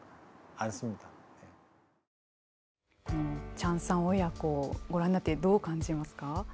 チャンさん親子ご覧になってどう感じますか。